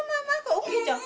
おっきいじゃん。